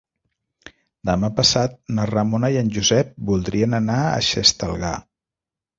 Demà passat na Ramona i en Josep voldrien anar a Xestalgar.